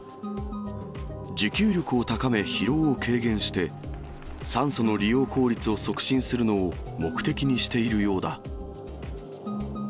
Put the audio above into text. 持久力を高め、疲労を軽減して、酸素の利用効率を促進するのを目的にしているようだ。